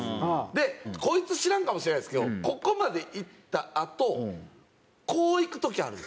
でこいつ知らんかもしれないですけどここまでいったあとこういく時あるんですよ。